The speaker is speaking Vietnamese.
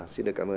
xin được cảm ơn